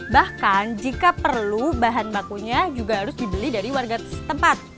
bahkan jika perlu bahan bakunya juga harus dibeli dari warga setempat